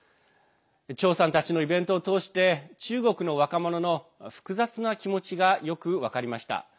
趙さんたちのイベントを通して中国の若者の複雑な気持ちがよく分かりました。